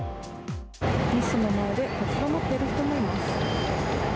ミストの前で立ち止まっている人がいます。